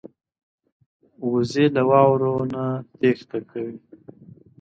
وزې له واورو نه تېښته کوي